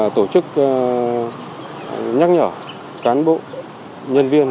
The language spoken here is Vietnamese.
tổ chức nhắc nhở cán bộ nhân viên